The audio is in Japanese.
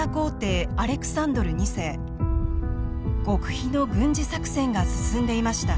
極秘の軍事作戦が進んでいました。